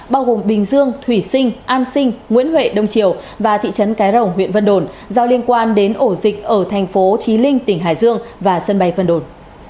bao gồm bình dương thủy sinh an sinh nguyễn huệ đông triều và thị trấn cái rồng huyện vân đồn do liên quan đến ổ dịch ở thành phố trí linh tỉnh hải dương và sân bay vân đồn